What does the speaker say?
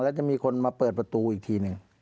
แล้วจะมีคนมาเปิดประตูอีกทีหนึ่ง